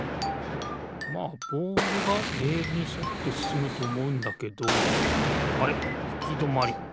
まあボールがレールにそってすすむとおもうんだけどあれっいきどまり。